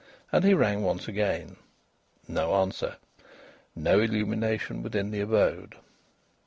And he rang once again. No answer! No illumination within the abode!